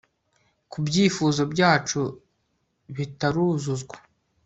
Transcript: ku byifuzo byacu bitaruzuzwa